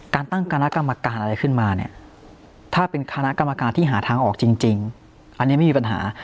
ตั้งคณะกรรมการอะไรขึ้นมาเนี่ยถ้าเป็นคณะกรรมการที่หาทางออกจริงอันนี้ไม่มีปัญหา